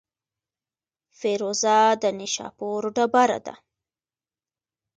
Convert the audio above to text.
فیروزه د نیشاپور ډبره ده.